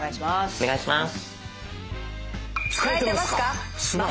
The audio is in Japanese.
お願いします。